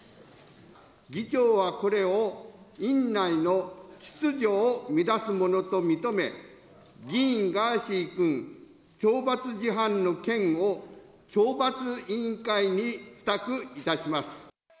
議長はこれを院内の秩序を乱すものと認め、議員ガーシー君、懲罰事犯の件を懲罰委員会に付託いたします。